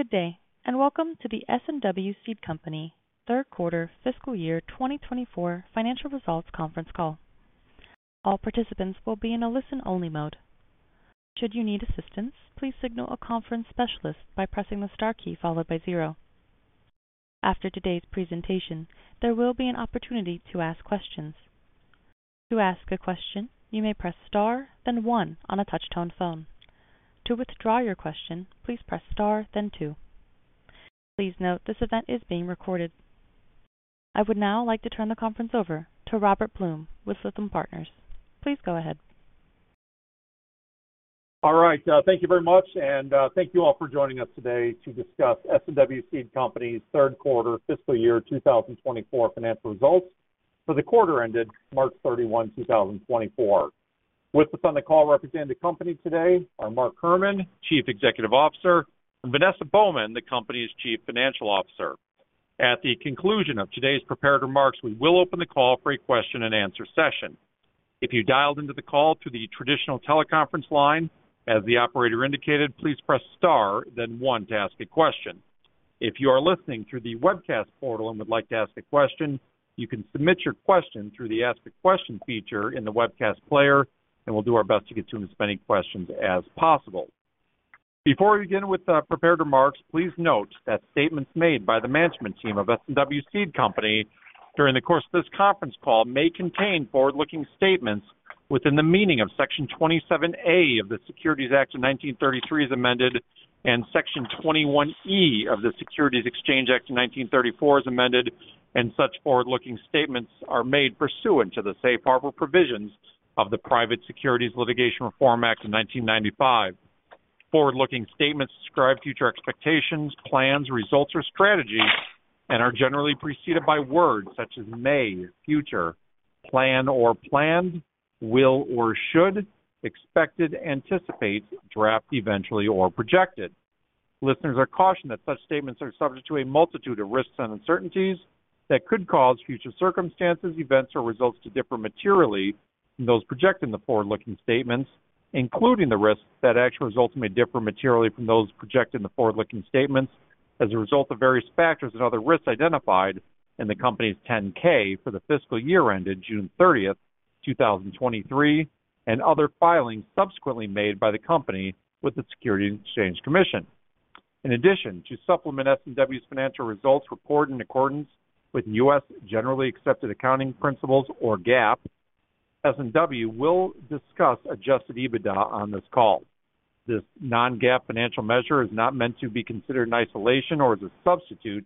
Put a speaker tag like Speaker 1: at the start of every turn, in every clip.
Speaker 1: Good day and welcome to the S&W Seed Company third quarter fiscal year 2024 financial results conference call. All participants will be in a listen-only mode. Should you need assistance, please signal a conference specialist by pressing the star key followed by zero. After today's presentation, there will be an opportunity to ask questions. To ask a question, you may press star then one on a touch-tone phone. To withdraw your question, please press star then two. Please note this event is being recorded. I would now like to turn the conference over to Robert Blum with Lytham Partners. Please go ahead.
Speaker 2: All right. Thank you very much, and thank you all for joining us today to discuss S&W Seed Company's third quarter fiscal year 2024 financial results for the quarter ended March 31, 2024. With us on the call representing the company today are Mark Herrmann, Chief Executive Officer, and Vanessa Baughman, the company's Chief Financial Officer. At the conclusion of today's prepared remarks, we will open the call for a question-and-answer session. If you dialed into the call through the traditional teleconference line, as the operator indicated, please press star then one to ask a question. If you are listening through the webcast portal and would like to ask a question, you can submit your question through the Ask a Question feature in the webcast player, and we'll do our best to get to as many questions as possible. Before we begin with prepared remarks, please note that statements made by the management team of S&W Seed Company during the course of this conference call may contain forward-looking statements within the meaning of Section 27A of the Securities Act of 1933, as amended, and Section 21E of the Securities Exchange Act of 1934, as amended, and such forward-looking statements are made pursuant to the Safe Harbor provisions of the Private Securities Litigation Reform Act of 1995. Forward-looking statements describe future expectations, plans, results, or strategies and are generally preceded by words such as may, future, plan or planned, will or should, expected, anticipate, draft eventually, or projected. Listeners are cautioned that such statements are subject to a multitude of risks and uncertainties that could cause future circumstances, events, or results to differ materially from those projected in the forward-looking statements, including the risks that actual results may differ materially from those projected in the forward-looking statements as a result of various factors and other risks identified in the company's 10-K for the fiscal year ended June 30, 2023, and other filings subsequently made by the company with the Securities and Exchange Commission. In addition, to supplement S&W's financial results report in accordance with U.S. Generally Accepted Accounting Principles, or GAAP, S&W will discuss adjusted EBITDA on this call. This non-GAAP financial measure is not meant to be considered in isolation or as a substitute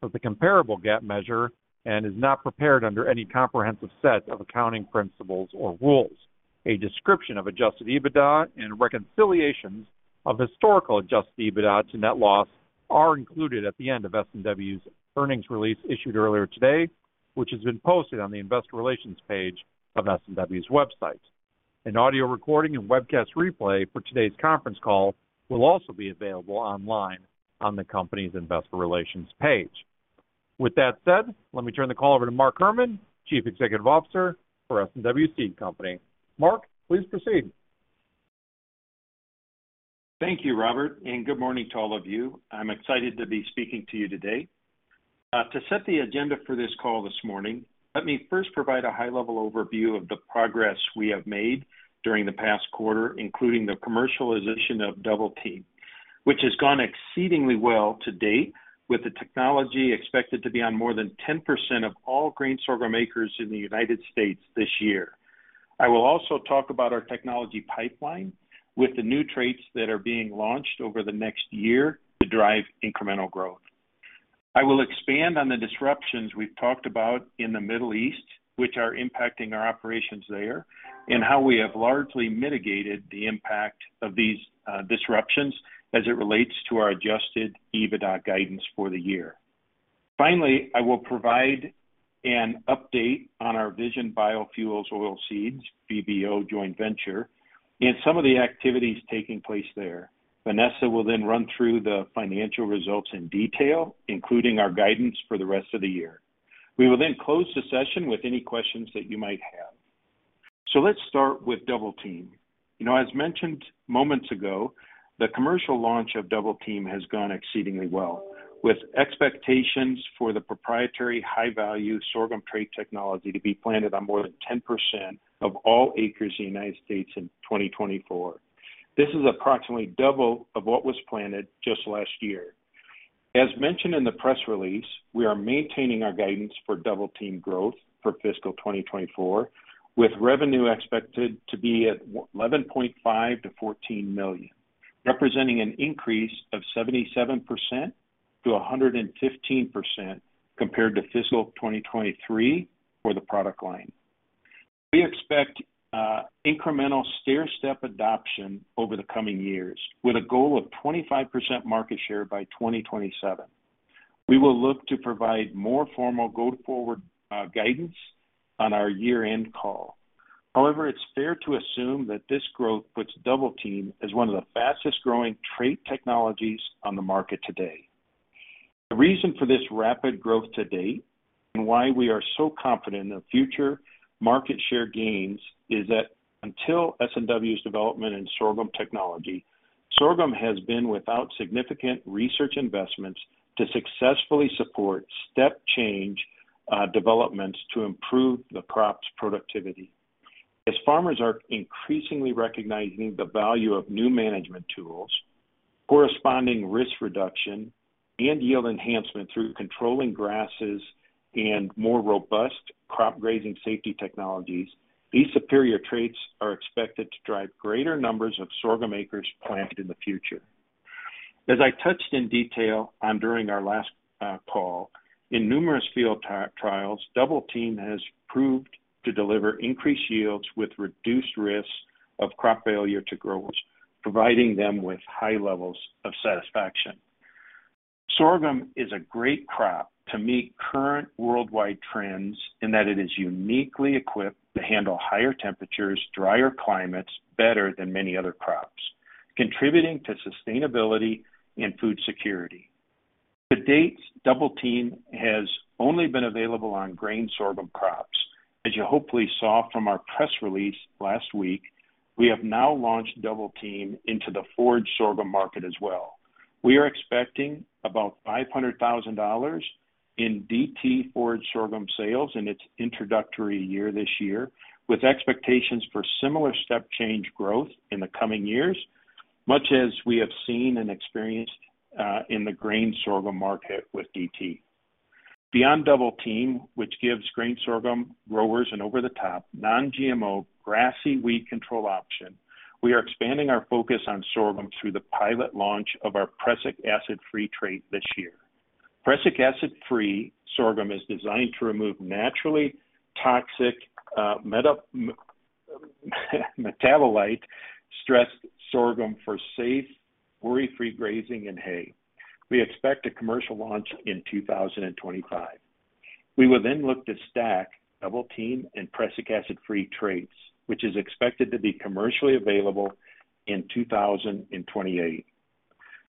Speaker 2: for the comparable GAAP measure and is not prepared under any comprehensive set of accounting principles or rules. A description of adjusted EBITDA and reconciliations of historical adjusted EBITDA to net loss are included at the end of S&W's earnings release issued earlier today, which has been posted on the Investor Relations page of S&W's website. An audio recording and webcast replay for today's conference call will also be available online on the company's Investor Relations page. With that said, let me turn the call over to Mark Herrmann, Chief Executive Officer for S&W Seed Company. Mark, please proceed.
Speaker 3: Thank you, Robert, and good morning to all of you. I'm excited to be speaking to you today. To set the agenda for this call this morning, let me first provide a high-level overview of the progress we have made during the past quarter, including the commercialization of Double Team, which has gone exceedingly well to date with the technology expected to be on more than 10% of all grain sorghum acres in the United States this year. I will also talk about our technology pipeline with the new traits that are being launched over the next year to drive incremental growth. I will expand on the disruptions we've talked about in the Middle East, which are impacting our operations there, and how we have largely mitigated the impact of these disruptions as it relates to our adjusted EBITDA guidance for the year. Finally, I will provide an update on our Vision Bioenergy Oilseeds, VBO, joint venture, and some of the activities taking place there. Vanessa will then run through the financial results in detail, including our guidance for the rest of the year. We will then close the session with any questions that you might have. So let's start with Double Team. As mentioned moments ago, the commercial launch of Double Team has gone exceedingly well, with expectations for the proprietary high-value sorghum trait technology to be planted on more than 10% of all acres in the United States in 2024. This is approximately double of what was planted just last year. As mentioned in the press release, we are maintaining our guidance for Double Team growth for fiscal 2024, with revenue expected to be $11.5 million-$14 million, representing an increase of 77%-115% compared to fiscal 2023 for the product line. We expect incremental stair-step adoption over the coming years, with a goal of 25% market share by 2027. We will look to provide more formal go-forward guidance on our year-end call. However, it's fair to assume that this growth puts Double Team as one of the fastest-growing trait technologies on the market today. The reason for this rapid growth to date and why we are so confident in the future market share gains is that until S&W's development in sorghum technology, sorghum has been without significant research investments to successfully support step-change developments to improve the crop's productivity. As farmers are increasingly recognizing the value of new management tools, corresponding risk reduction, and yield enhancement through controlling grasses and more robust crop grazing safety technologies, these superior traits are expected to drive greater numbers of sorghum acres planted in the future. As I touched in detail during our last call, in numerous field trials, Double Team has proved to deliver increased yields with reduced risks of crop failure to growers, providing them with high levels of satisfaction. Sorghum is a great crop to meet current worldwide trends in that it is uniquely equipped to handle higher temperatures, drier climates better than many other crops, contributing to sustainability and food security. To date, Double Team has only been available on grain sorghum crops. As you hopefully saw from our press release last week, we have now launched Double Team into the forage sorghum market as well. We are expecting about $500,000 in DT forage sorghum sales in its introductory year this year, with expectations for similar step-change growth in the coming years, much as we have seen and experienced in the grain sorghum market with DT. Beyond Double Team, which gives grain sorghum growers an over-the-top, non-GMO, grassy weed control option, we are expanding our focus on sorghum through the pilot launch of our Prussic Acid Free trait this year. Prussic Acid Free sorghum is designed to remove naturally toxic metabolite-stressed sorghum for safe, worry-free grazing and hay. We expect a commercial launch in 2025. We will then look to stack Double Team and Prussic Acid Free traits, which is expected to be commercially available in 2028.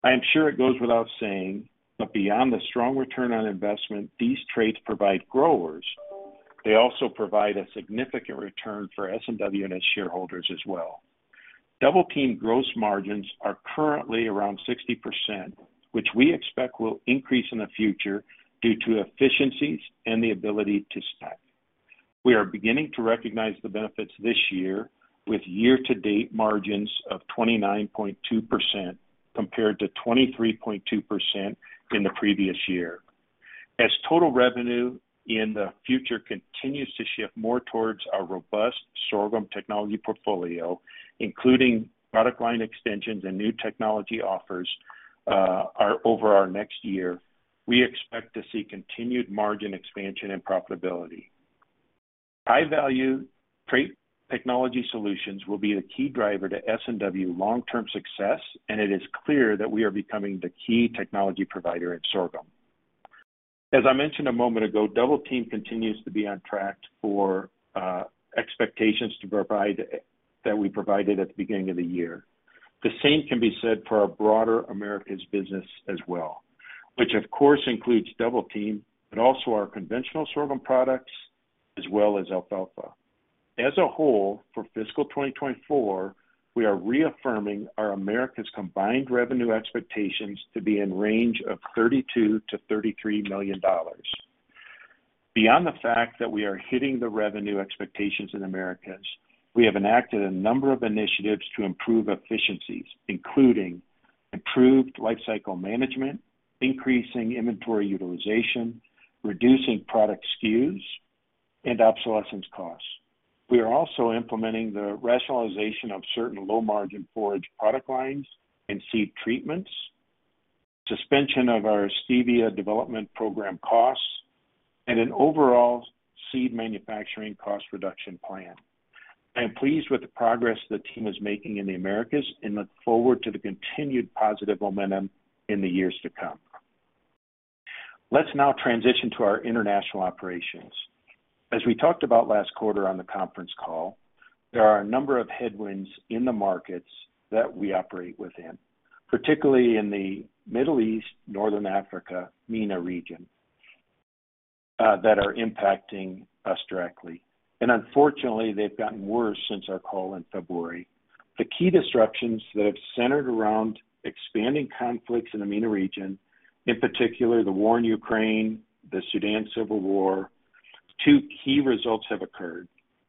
Speaker 3: I am sure it goes without saying, but beyond the strong return on investment these traits provide growers, they also provide a significant return for S&W and its shareholders as well. Double Team gross margins are currently around 60%, which we expect will increase in the future due to efficiencies and the ability to stack. We are beginning to recognize the benefits this year, with year-to-date margins of 29.2% compared to 23.2% in the previous year. As total revenue in the future continues to shift more towards our robust sorghum technology portfolio, including product line extensions and new technology offers over our next year, we expect to see continued margin expansion and profitability. High-value trait technology solutions will be the key driver to S&W's long-term success, and it is clear that we are becoming the key technology provider in sorghum. As I mentioned a moment ago, Double Team continues to be on track for expectations that we provided at the beginning of the year. The same can be said for our broader Americas business as well, which, of course, includes Double Team but also our conventional sorghum products as well as alfalfa. As a whole, for fiscal 2024, we are reaffirming our Americas combined revenue expectations to be in the range of $32-$33 million. Beyond the fact that we are hitting the revenue expectations in Americas, we have enacted a number of initiatives to improve efficiencies, including improved lifecycle management, increasing inventory utilization, reducing product SKUs, and obsolescence costs. We are also implementing the rationalization of certain low-margin forage product lines and seed treatments, suspension of our stevia development program costs, and an overall seed manufacturing cost reduction plan. I am pleased with the progress the team is making in the Americas and look forward to the continued positive momentum in the years to come. Let's now transition to our international operations. As we talked about last quarter on the conference call, there are a number of headwinds in the markets that we operate within, particularly in the Middle East, Northern Africa, MENA region, that are impacting us directly. And unfortunately, they've gotten worse since our call in February. The key disruptions that have centered around expanding conflicts in the MENA region, in particular the war in Ukraine, the Sudan Civil War. Two key results have occurred.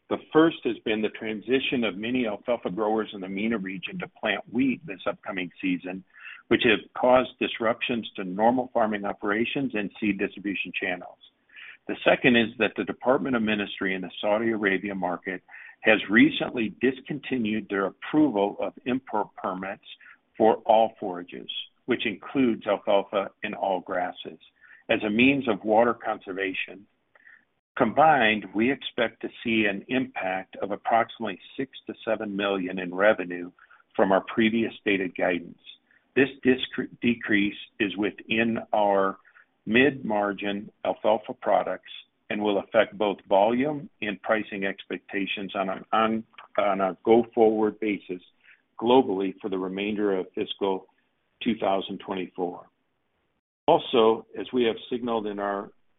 Speaker 3: The first has been the transition of many alfalfa growers in the MENA region to plant wheat this upcoming season, which have caused disruptions to normal farming operations and seed distribution channels. The second is that the Department of Ministry in the Saudi Arabia market has recently discontinued their approval of import permits for all forages, which includes alfalfa and all grasses, as a means of water conservation. Combined, we expect to see an impact of approximately $6 million-$7 million in revenue from our previous stated guidance. This decrease is within our mid-margin alfalfa products and will affect both volume and pricing expectations on a go-forward basis globally for the remainder of fiscal 2024. Also, as we have signaled in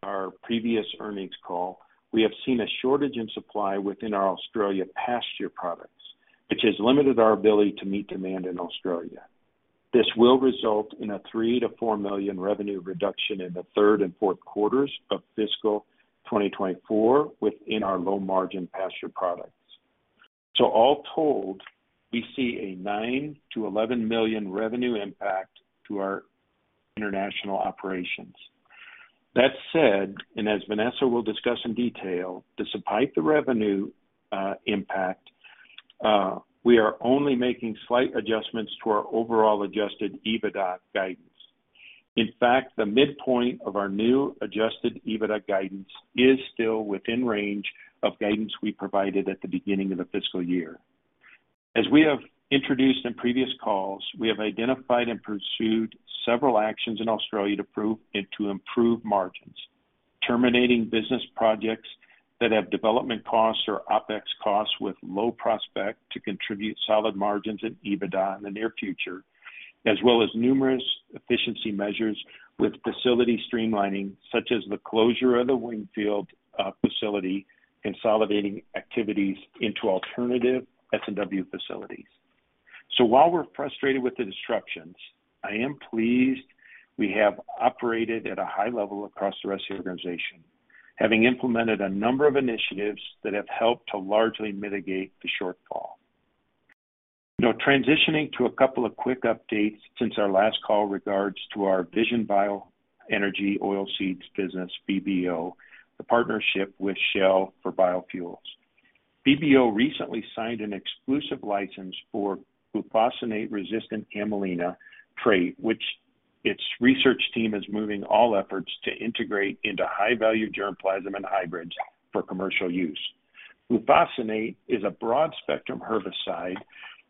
Speaker 3: our previous earnings call, we have seen a shortage in supply within our Australia pasture products, which has limited our ability to meet demand in Australia. This will result in a $3 million-$4 million revenue reduction in the third and fourth quarters of fiscal 2024 within our low-margin pasture products. So all told, we see a $9 million-$11 million revenue impact to our international operations. That said, and as Vanessa will discuss in detail, despite the revenue impact, we are only making slight adjustments to our overall adjusted EBITDA guidance. In fact, the midpoint of our new adjusted EBITDA guidance is still within range of guidance we provided at the beginning of the fiscal year. As we have introduced in previous calls, we have identified and pursued several actions in Australia to improve margins, terminating business projects that have development costs or Opex costs with low prospect to contribute solid margins in EBITDA in the near future, as well as numerous efficiency measures with facility streamlining such as the closure of the Wingfield facility and consolidating activities into alternative S&W facilities. So while we're frustrated with the disruptions, I am pleased we have operated at a high level across the rest of the organization, having implemented a number of initiatives that have helped to largely mitigate the shortfall. Transitioning to a couple of quick updates since our last call regards to our Vision Bioenergy Oilseeds business, VBO, the partnership with Shell for biofuels. VBO recently signed an exclusive license for glufosinate-resistant camelina trait, which its research team is moving all efforts to integrate into high-value germplasm and hybrids for commercial use. Glufosinate is a broad-spectrum herbicide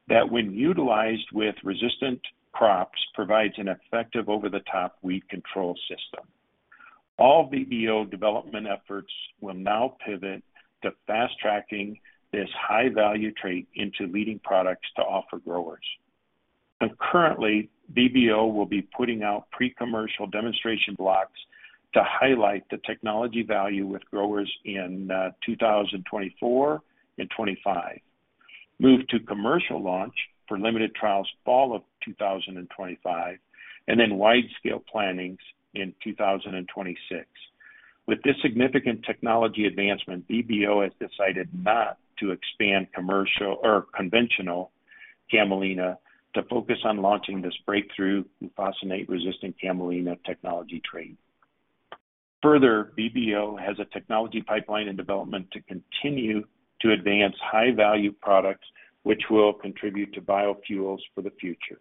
Speaker 3: that, when utilized with resistant crops, provides an effective over-the-top weed control system. All VBO development efforts will now pivot to fast-tracking this high-value trait into leading products to offer growers. Currently, VBO will be putting out pre-commercial demonstration blocks to highlight the technology value with growers in 2024 and 2025, move to commercial launch for limited trials fall of 2025, and then wide-scale plantings in 2026. With this significant technology advancement, VBO has decided not to expand conventional camelina to focus on launching this breakthrough glufosinate-resistant camelina technology trait. Further, VBO has a technology pipeline in development to continue to advance high-value products, which will contribute to biofuels for the future.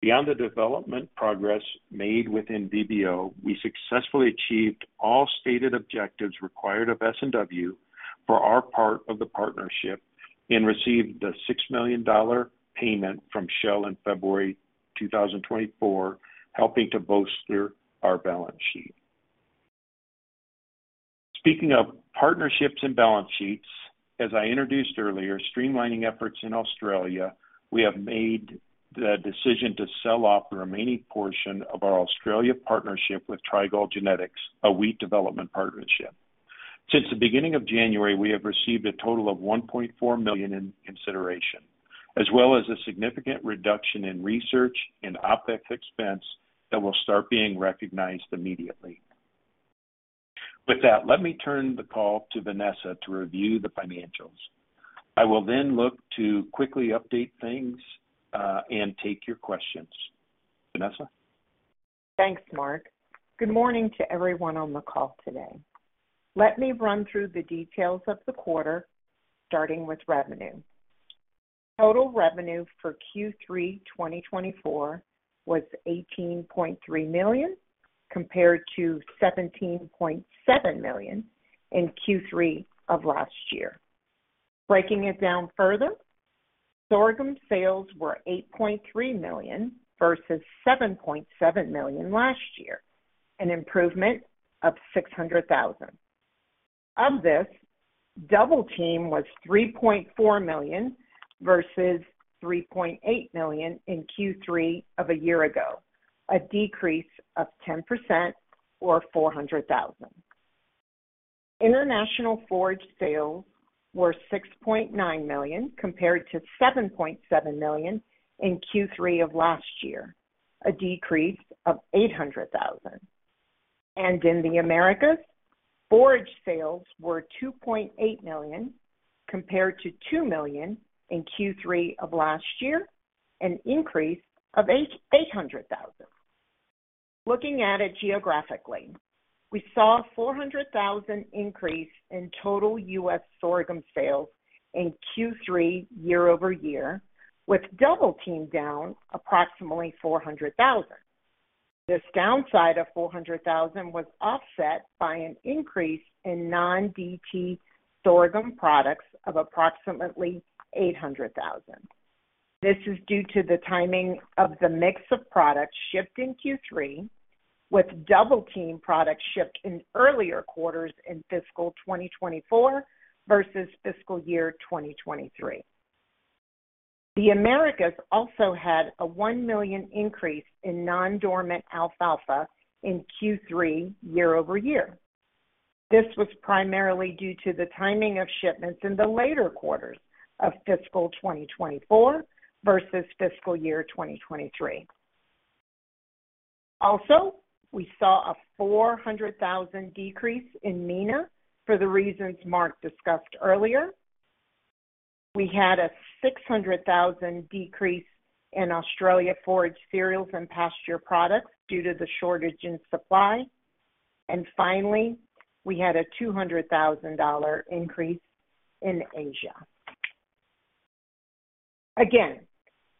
Speaker 3: Beyond the development progress made within VBO, we successfully achieved all stated objectives required of S&W for our part of the partnership and received the $6 million payment from Shell in February 2024, helping to bolster our balance sheet. Speaking of partnerships and balance sheets, as I introduced earlier, streamlining efforts in Australia, we have made the decision to sell off the remaining portion of our Australia partnership with Trigall Genetics, a wheat development partnership. Since the beginning of January, we have received a total of $1.4 million in consideration, as well as a significant reduction in research and Opex expense that will start being recognized immediately. With that, let me turn the call to Vanessa to review the financials. I will then look to quickly update things and take your questions. Vanessa?
Speaker 4: Thanks, Mark. Good morning to everyone on the call today. Let me run through the details of the quarter, starting with revenue. Total revenue for Q3 2024 was $18.3 million compared to $17.7 million in Q3 of last year. Breaking it down further, sorghum sales were $8.3 million versus $7.7 million last year, an improvement of $600,000. Of this, Double Team was $3.4 million versus $3.8 million in Q3 of a year ago, a decrease of 10% or $400,000. International forage sales were $6.9 million compared to $7.7 million in Q3 of last year, a decrease of $800,000. In the Americas, forage sales were $2.8 million compared to $2 million in Q3 of last year, an increase of $800,000. Looking at it geographically, we saw a $400,000 increase in total U.S. sorghum sales in Q3 year-over-year, with Double Team down approximately $400,000. This downside of $400,000 was offset by an increase in non-DT sorghum products of approximately $800,000. This is due to the timing of the mix of products shipped in Q3, with Double Team products shipped in earlier quarters in fiscal 2024 versus fiscal year 2023. The Americas also had a $1 million increase in non-dormant alfalfa in Q3 year-over-year. This was primarily due to the timing of shipments in the later quarters of fiscal 2024 versus fiscal year 2023. Also, we saw a $400,000 decrease in MENA for the reasons Mark discussed earlier. We had a $600,000 decrease in Australia forage cereals and pasture products due to the shortage in supply. Finally, we had a $200,000 increase in Asia. Again,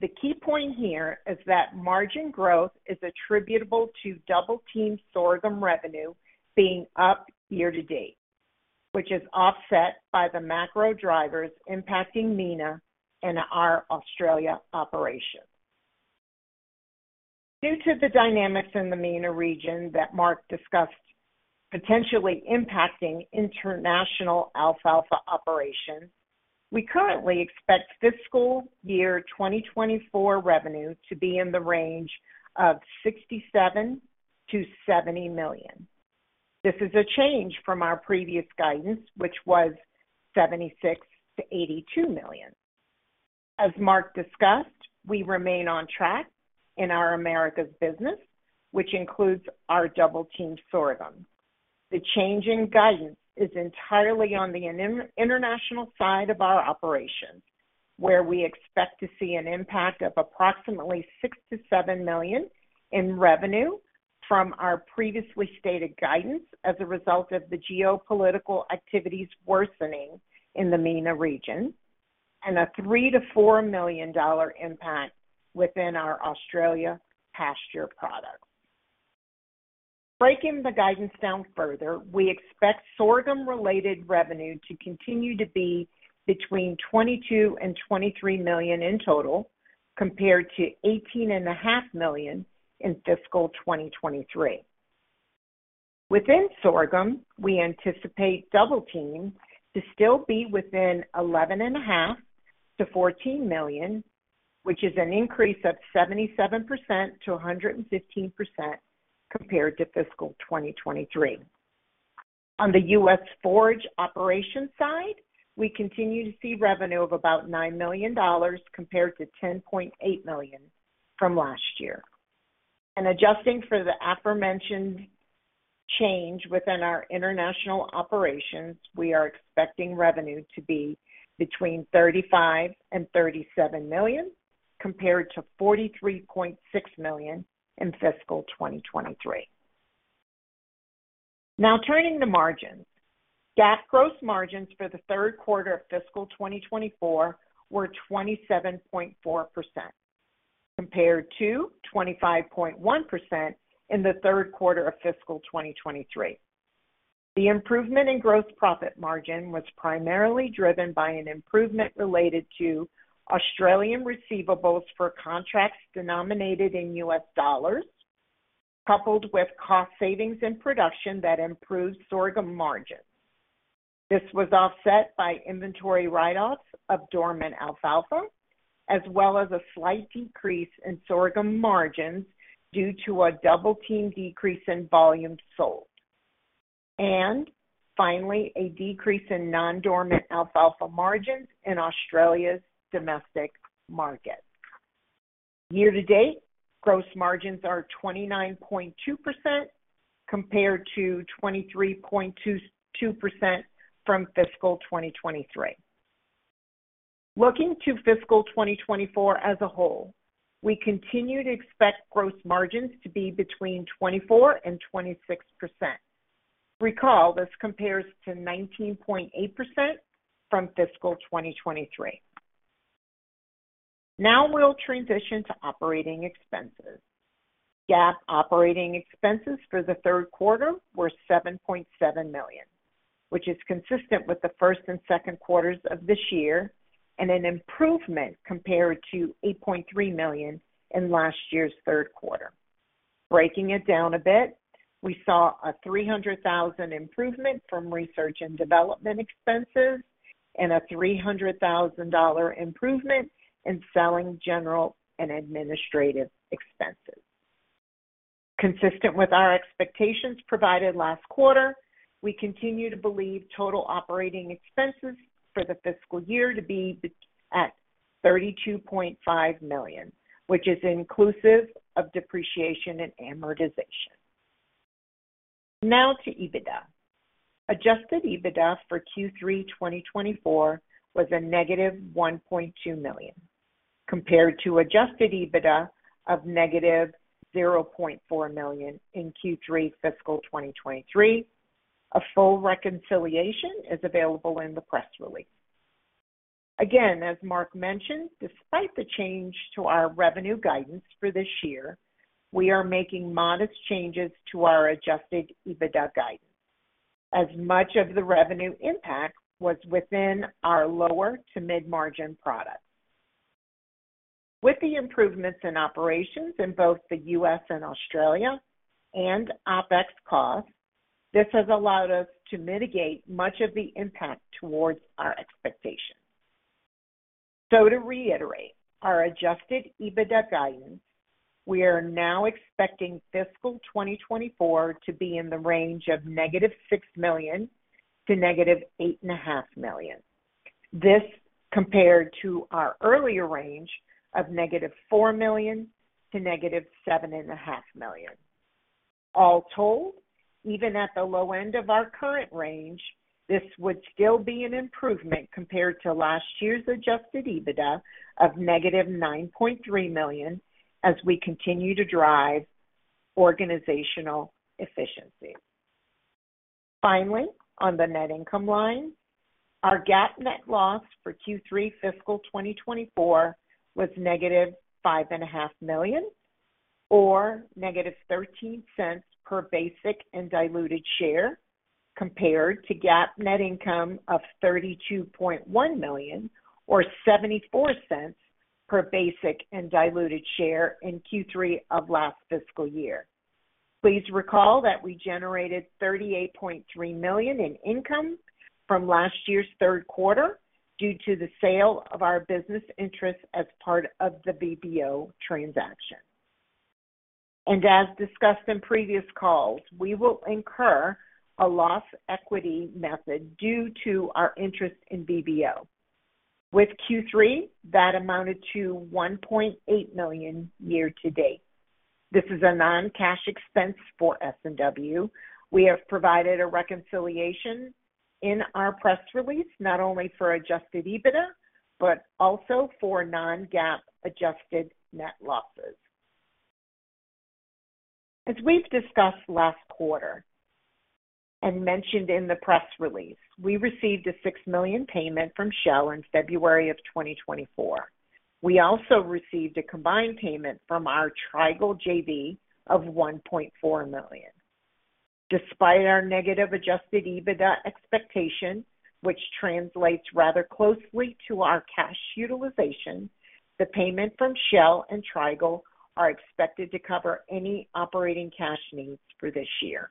Speaker 4: the key point here is that margin growth is attributable to Double Team sorghum revenue being up year to date, which is offset by the macro drivers impacting MENA and our Australia operations. Due to the dynamics in the MENA region that Mark discussed potentially impacting international alfalfa operations, we currently expect fiscal year 2024 revenue to be in the range of $67 million-$70 million. This is a change from our previous guidance, which was $76 million-$82 million. As Mark discussed, we remain on track in our Americas business, which includes our Double Team sorghum. The change in guidance is entirely on the international side of our operations, where we expect to see an impact of approximately $6-$7 million in revenue from our previously stated guidance as a result of the geopolitical activities worsening in the MENA region and a $3-$4 million impact within our Australia pasture products. Breaking the guidance down further, we expect sorghum-related revenue to continue to be between $22-$23 million in total compared to $18.5 million in fiscal 2023. Within sorghum, we anticipate Double Team to still be within $11.5-$14 million, which is an increase of 77%-115% compared to fiscal 2023. On the US forage operations side, we continue to see revenue of about $9 million compared to $10.8 million from last year. Adjusting for the aforementioned change within our international operations, we are expecting revenue to be between $35 million and $37 million compared to $43.6 million in fiscal 2023. Now turning to margins, GAAP gross margins for the third quarter of fiscal 2024 were 27.4% compared to 25.1% in the third quarter of fiscal 2023. The improvement in gross profit margin was primarily driven by an improvement related to Australian receivables for contracts denominated in U.S. dollars, coupled with cost savings in production that improved sorghum margins. This was offset by inventory write-offs of dormant alfalfa, as well as a slight decrease in sorghum margins due to a Double Team decrease in volume sold, and finally, a decrease in non-dormant alfalfa margins in Australia's domestic market. Year-to-date, gross margins are 29.2% compared to 23.2% from fiscal 2023. Looking to fiscal 2024 as a whole, we continue to expect gross margins to be between 24%-26%. Recall, this compares to 19.8% from fiscal 2023. Now we'll transition to operating expenses. GAAP operating expenses for the third quarter were $7.7 million, which is consistent with the first and second quarters of this year and an improvement compared to $8.3 million in last year's third quarter. Breaking it down a bit, we saw a $300,000 improvement from research and development expenses and a $300,000 improvement in selling general and administrative expenses. Consistent with our expectations provided last quarter, we continue to believe total operating expenses for the fiscal year to be at $32.5 million, which is inclusive of depreciation and amortization. Now to EBITDA. Adjusted EBITDA for Q3 2024 was a negative $1.2 million compared to adjusted EBITDA of negative $0.4 million in Q3 fiscal 2023. A full reconciliation is available in the press release. Again, as Mark mentioned, despite the change to our revenue guidance for this year, we are making modest changes to our Adjusted EBITDA guidance, as much of the revenue impact was within our lower to mid-margin products. With the improvements in operations in both the U.S. and Australia and Opex costs, this has allowed us to mitigate much of the impact towards our expectations. So to reiterate, our Adjusted EBITDA guidance, we are now expecting fiscal 2024 to be in the range of -$6 million to -$8.5 million, this compared to our earlier range of -$4 million to -$7.5 million. All told, even at the low end of our current range, this would still be an improvement compared to last year's adjusted EBITDA of -$9.3 million as we continue to drive organizational efficiency. Finally, on the net income line, our GAAP net loss for Q3 fiscal 2024 was -$5.5 million or negative $0.13 per basic and diluted share compared to GAAP net income of $32.1 million or $0.74 per basic and diluted share in Q3 of last fiscal year. Please recall that we generated $38.3 million in income from last year's third quarter due to the sale of our business interests as part of the VBO transaction. And as discussed in previous calls, we will incur a loss equity method due to our interest in VBO. With Q3, that amounted to $1.8 million year-to-date. This is a non-cash expense for S&W. We have provided a reconciliation in our press release not only for adjusted EBITDA but also for non-GAAP adjusted net losses. As we've discussed last quarter and mentioned in the press release, we received a $6 million payment from Shell in February of 2024. We also received a combined payment from our Trigall JV of $1.4 million. Despite our negative adjusted EBITDA expectation, which translates rather closely to our cash utilization, the payment from Shell and Trigall are expected to cover any operating cash needs for this year.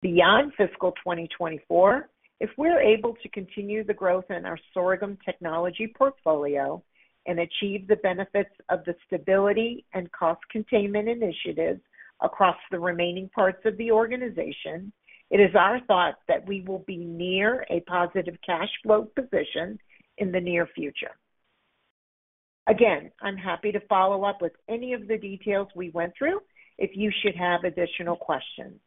Speaker 4: Beyond fiscal 2024, if we're able to continue the growth in our sorghum technology portfolio and achieve the benefits of the stability and cost containment initiatives across the remaining parts of the organization, it is our thought that we will be near a positive cash flow position in the near future. Again, I'm happy to follow up with any of the details we went through if you should have additional questions.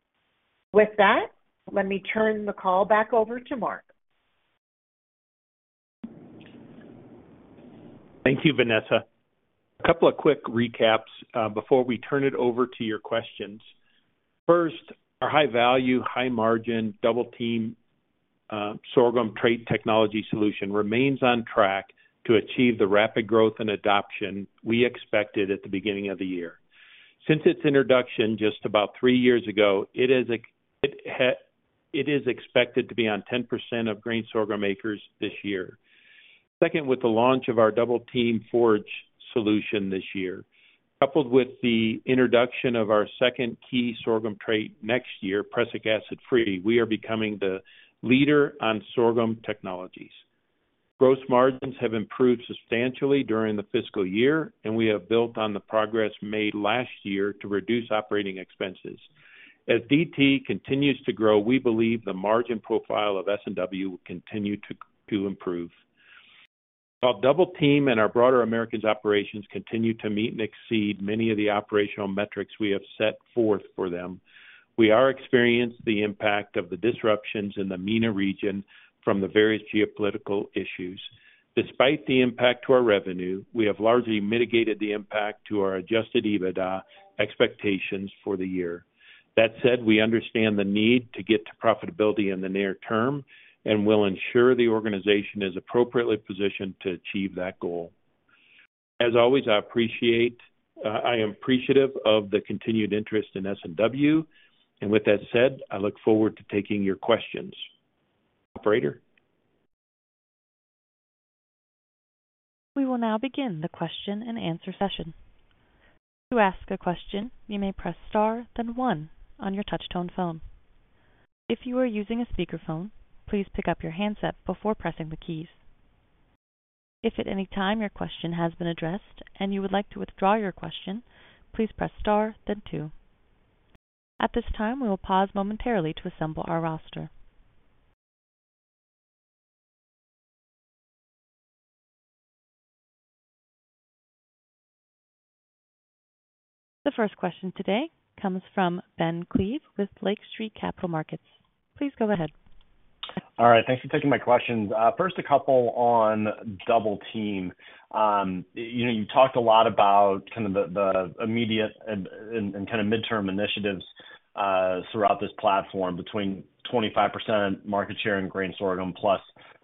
Speaker 4: With that, let me turn the
Speaker 3: call back over to Mark. Thank you, Vanessa. A couple of quick recaps before we turn it over to your questions. First, our high-value, high-margin, Double Team sorghum trait technology solution remains on track to achieve the rapid growth and adoption we expected at the beginning of the year. Since its introduction just about three years ago, it is expected to be on 10% of grain sorghum acres this year. Second, with the launch of our Double Team forage solution this year, coupled with the introduction of our second key sorghum trait next year, Prussic Acid Free, we are becoming the leader on sorghum technologies. Gross margins have improved substantially during the fiscal year, and we have built on the progress made last year to reduce operating expenses. As DT continues to grow, we believe the margin profile of S&W will continue to improve. While Double Team and our broader Americas operations continue to meet and exceed many of the operational metrics we have set forth for them, we are experiencing the impact of the disruptions in the MENA region from the various geopolitical issues. Despite the impact to our revenue, we have largely mitigated the impact to our Adjusted EBITDA expectations for the year. That said, we understand the need to get to profitability in the near term and will ensure the organization is appropriately positioned to achieve that goal. As always, I am appreciative of the continued interest in S&W, and with that said, I look forward to taking your questions. Operator?
Speaker 1: We will now begin the question and answer session. If you ask a question, you may press star, then one on your touch-tone phone. If you are using a speakerphone, please pick up your handset before pressing the keys. If at any time your question has been addressed and you would like to withdraw your question, please press star, then two. At this time, we will pause momentarily to assemble our roster. The first question today comes from Ben Klieve with Lake Street Capital Markets. Please go ahead.
Speaker 5: All right. Thanks for taking my questions. First, a couple on Double Team. You talked a lot about kind of the immediate and kind of midterm initiatives throughout this platform between 25% market share in grain sorghum plus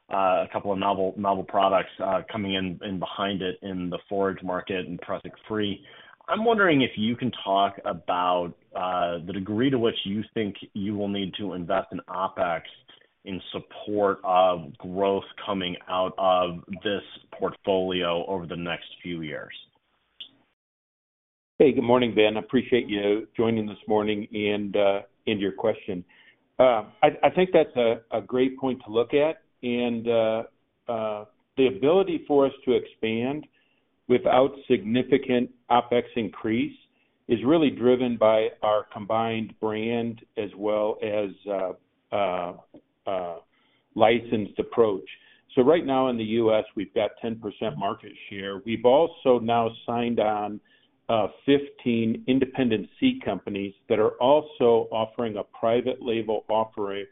Speaker 5: a couple of novel products coming in behind it in the forage market and Prussic free. I'm wondering if you can talk about the degree to which you think you will need to invest in Opex in support of growth coming out of this portfolio over the next few years.
Speaker 3: Hey, good morning, Ben. I appreciate you joining this morning and your question. I think that's a great point to look at. And the ability for us to expand without significant Opex increase is really driven by our combined brand as well as licensed approach. So right now in the U.S., we've got 10% market share. We've also now signed on 15 independent seed companies that are also offering a private label offering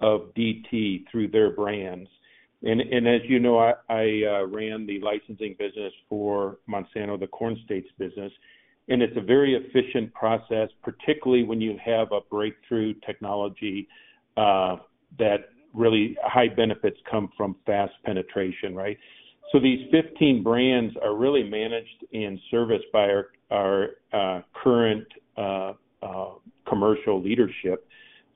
Speaker 3: of DT through their brands. And as you know, I ran the licensing business for Monsanto, the Corn States business, and it's a very efficient process, particularly when you have a breakthrough technology that really high benefits come from fast penetration, right? So these 15 brands are really managed and serviced by our current commercial leadership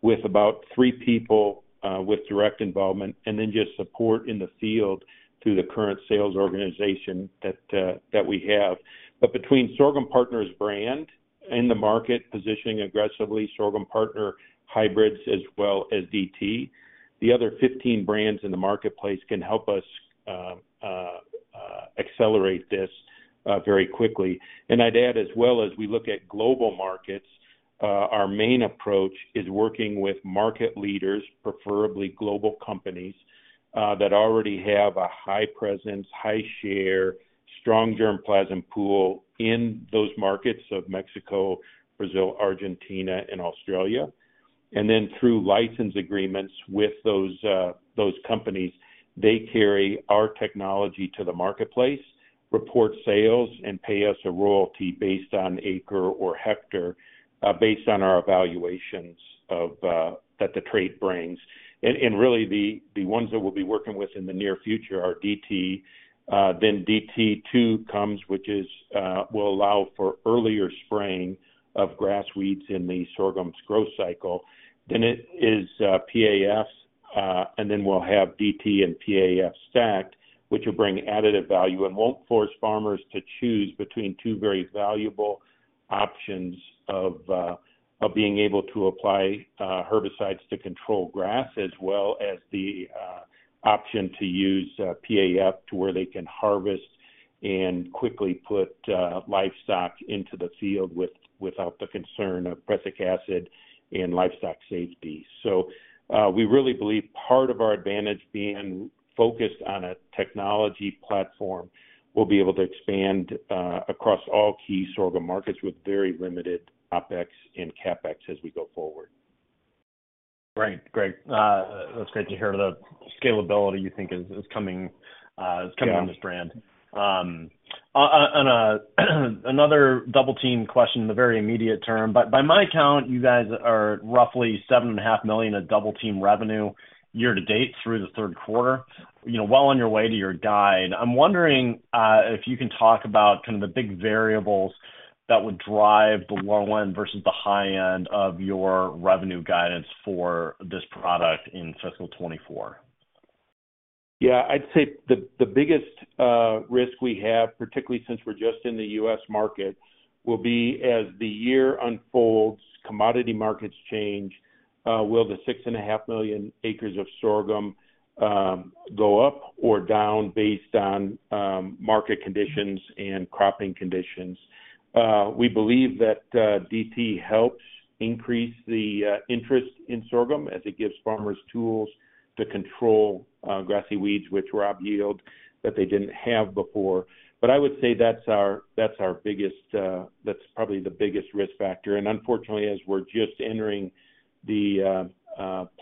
Speaker 3: with about three people with direct involvement and then just support in the field through the current sales organization that we have. But between Sorghum Partners brand in the market, positioning aggressively, Sorghum Partners hybrids, as well as DT, the other 15 brands in the marketplace can help us accelerate this very quickly. And I'd add, as well as we look at global markets, our main approach is working with market leaders, preferably global companies that already have a high presence, high share, strong germplasm pool in those markets of Mexico, Brazil, Argentina, and Australia. And then through license agreements with those companies, they carry our technology to the marketplace, report sales, and pay us a royalty based on acre or hectare based on our evaluations that the trade brings. And really, the ones that we'll be working with in the near future are DT. Then DT2 comes, which will allow for earlier spraying of grass weeds in the sorghum's growth cycle. Then it is PAF's, and then we'll have DT and PAF stacked, which will bring additive value and won't force farmers to choose between two very valuable options of being able to apply herbicides to control grass as well as the option to use PAF to where they can harvest and quickly put livestock into the field without the concern of prussic acid and livestock safety. So we really believe part of our advantage being focused on a technology platform will be able to expand across all key sorghum markets with very limited OpEx and CapEx as we go forward.
Speaker 5: Great. Great. That's great to hear the scalability you think is coming on this brand. Another Double Team question in the very immediate term. By my account, you guys are roughly $7.5 million at Double Team revenue year to date through the third quarter. While on your way to your guide, I'm wondering if you can talk about kind of the big variables that would drive the low end versus the high end of your revenue guidance for this product in fiscal 2024.
Speaker 3: Yeah. I'd say the biggest risk we have, particularly since we're just in the U.S. market, will be as the year unfolds, commodity markets change. Will the 6.5 million acres of sorghum go up or down based on market conditions and cropping conditions? We believe that DT helps increase the interest in sorghum as it gives farmers tools to control grassy weeds, which rob yield, that they didn't have before. But I would say that's probably the biggest risk factor. And unfortunately, as we're just entering the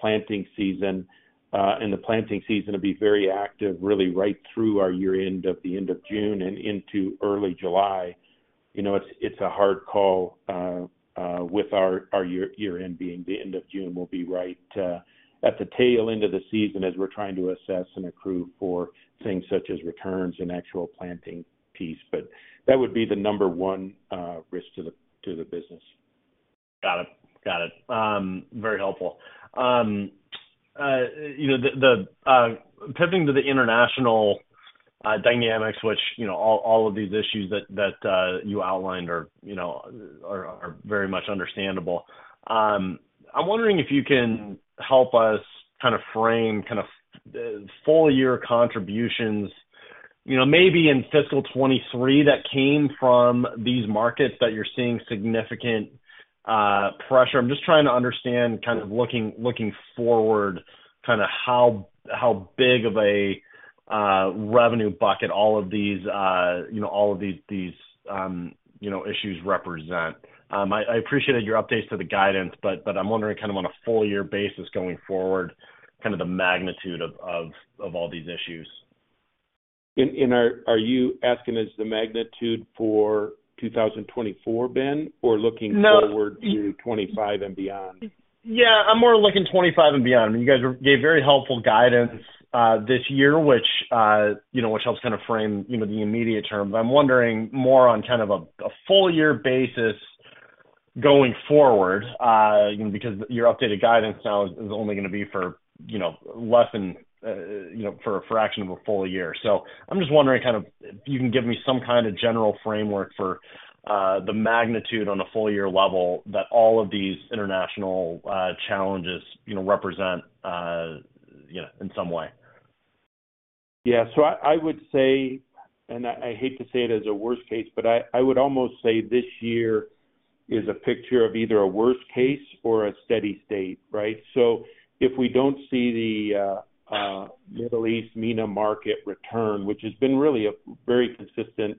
Speaker 3: planting season and the planting season will be very active, really, right through our year-end of the end of June and into early July, it's a hard call with our year-end being the end of June will be right at the tail end of the season as we're trying to assess and accrue for things such as returns and actual planting piece. But that would be the number one risk to the business.
Speaker 5: Got it. Got it. Very helpful. Pivoting to the international dynamics, which all of these issues that you outlined are very much understandable, I'm wondering if you can help us kind of frame kind of full-year contributions maybe in fiscal 2023 that came from these markets that you're seeing significant pressure. I'm just trying to understand, kind of looking forward, kind of how big of a revenue bucket all of these all of these issues represent. I appreciated your updates to the guidance, but I'm wondering, kind of on a full-year basis going forward, kind of the magnitude of all these issues.
Speaker 3: Are you asking about the magnitude for 2024, Ben, or looking forward to 2025 and beyond?
Speaker 5: Yeah. I'm more looking 2025 and beyond. I mean, you guys gave very helpful guidance this year, which helps kind of frame the immediate term. But I'm wondering more on kind of a full-year basis going forward because your updated guidance now is only going to be for less than a fraction of a full year. So I'm just wondering kind of if you can give me some kind of general framework for the magnitude on a full-year level that all of these international challenges represent in some way.
Speaker 3: Yeah. So I would say and I hate to say it as a worst case, but I would almost say this year is a picture of either a worst case or a steady state, right? So if we don't see the Middle East MENA market return, which has been really a very consistent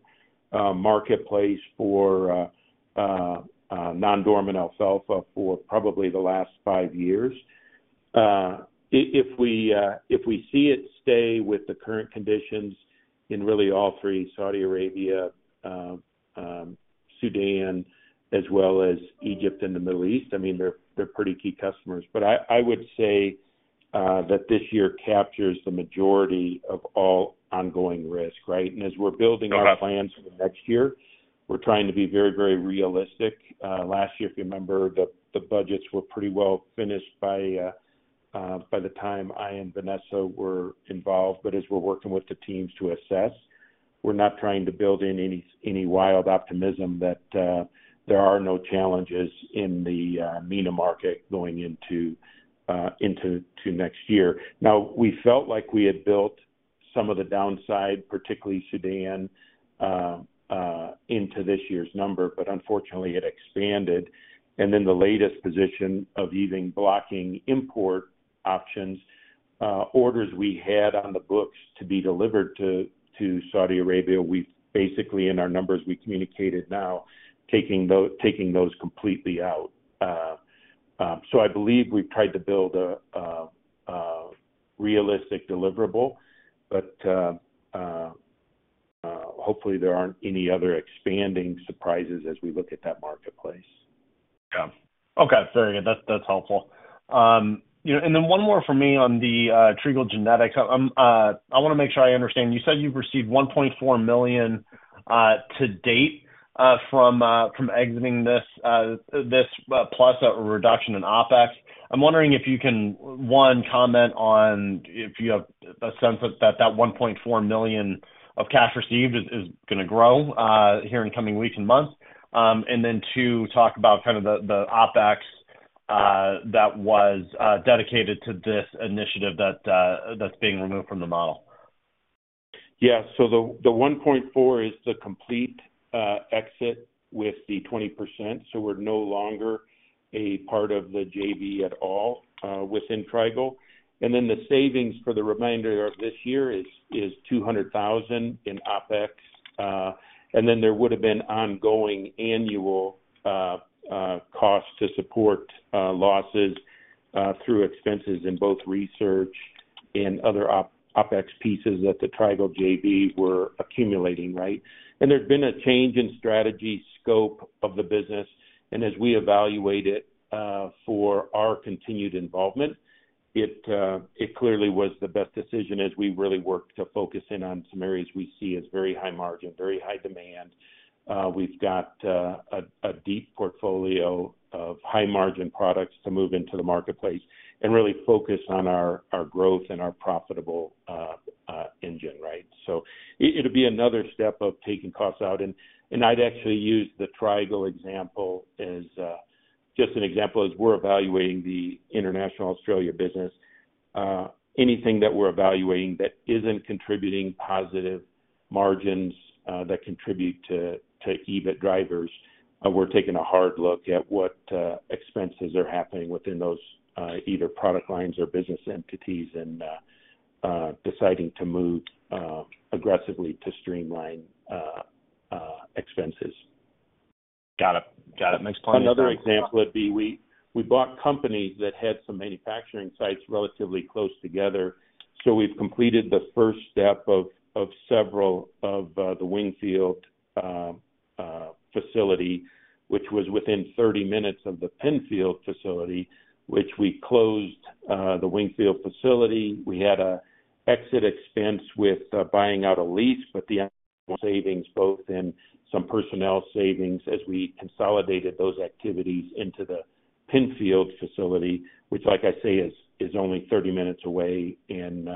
Speaker 3: marketplace for non-dormant alfalfa for probably the last five years, if we see it stay with the current conditions in really all three: Saudi Arabia, Sudan, as well as Egypt and the Middle East, I mean, they're pretty key customers. But I would say that this year captures the majority of all ongoing risk, right? As we're building our plans for next year, we're trying to be very, very realistic. Last year, if you remember, the budgets were pretty well finished by the time I and Vanessa were involved. As we're working with the teams to assess, we're not trying to build in any wild optimism that there are no challenges in the MENA market going into next year. Now, we felt like we had built some of the downside, particularly Sudan, into this year's number, but unfortunately, it expanded. Then the latest position of even blocking import options, orders we had on the books to be delivered to Saudi Arabia, basically, in our numbers we communicated now, taking those completely out. I believe we've tried to build a realistic deliverable, but hopefully, there aren't any other expanding surprises as we look at that marketplace. Yeah.
Speaker 5: Okay. Very good. That's helpful. And then one more for me on the Trigall Genetics. I want to make sure I understand. You said you've received $1.4 million to date from exiting this plus a reduction in Opex. I'm wondering if you can, one, comment on if you have a sense that that $1.4 million of cash received is going to grow here in coming weeks and months, and then, two, talk about kind of the Opex that was dedicated to this initiative that's being removed from the model.
Speaker 3: Yeah. So the $1.4 million is the complete exit with the 20%. So we're no longer a part of the JV at all within Trigall. And then the savings for the remainder of this year is $200,000 in Opex. And then there would have been ongoing annual costs to support losses through expenses in both research and other Opex pieces that the Trigall JV were accumulating, right? There'd been a change in strategy scope of the business. As we evaluate it for our continued involvement, it clearly was the best decision as we really worked to focus in on some areas we see as very high margin, very high demand. We've got a deep portfolio of high-margin products to move into the marketplace and really focus on our growth and our profitable engine, right? So it'll be another step of taking costs out. I'd actually use the Trigall example as just an example as we're evaluating the international Australia business. Anything that we're evaluating that isn't contributing positive margins that contribute to EBIT drivers, we're taking a hard look at what expenses are happening within those either product lines or business entities and deciding to move aggressively to streamline expenses.
Speaker 5: Got it. Got it. Makes plenty of sense.
Speaker 3: Another example would be we bought companies that had some manufacturing sites relatively close together. So we've completed the first step of several of the Wingfield facility, which was within 30 minutes of the Penfield facility, which we closed the Wingfield facility. We had an exit expense with buying out a lease, but the savings, both in some personnel savings, as we consolidated those activities into the Penfield facility, which, like I say, is only 30 minutes away, and